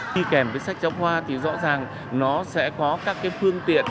đi kèm với sách giáo khoa thì rõ ràng nó sẽ có các phương tiện